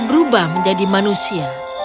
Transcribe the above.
berubah menjadi manusia